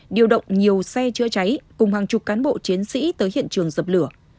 điều động nhiều xe chữa cháy cùng hàng chục cán bộ chiến sĩ tới hiện trường dập lửa